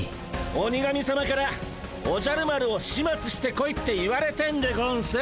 鬼神さまからおじゃる丸をしまつしてこいって言われてんでゴンス。